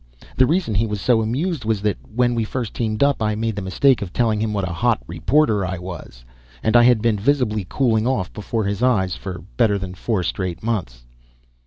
The reason he was so amused was that when we first teamed up I made the mistake of telling him what a hot reporter I was, and I had been visibly cooling off before his eyes for a better than four straight months.